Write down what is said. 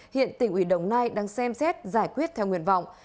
hiện tỉnh ủy đồng nai đang xem xét giải quyết theo nguyện vọng